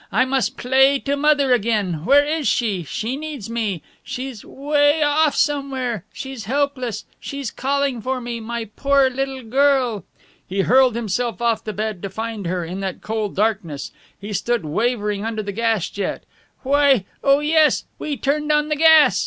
I must play to Mother again! Where is she? She needs me. She's 'way off somewhere; she's helpless; she's calling for me my poor little girl." He hurled himself off the bed, to find her, in that cold darkness. He stood wavering under the gas jet. "Why oh, yes, we turned on the gas!"